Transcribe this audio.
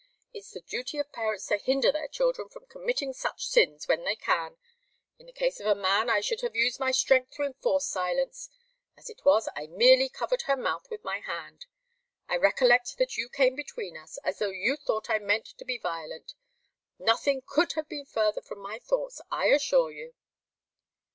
It's the duty of parents to hinder their children from committing such sins, when they can. In the case of a man, I should have used my strength to enforce silence. As it was, I merely covered her mouth with my hand. I recollect that you came between us, as though you thought I meant to be violent. Nothing could have been further from my thoughts, I assure you."